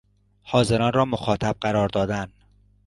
حاضران را مخاطب قرار دادن